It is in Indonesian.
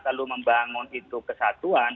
lalu membangun kesatuan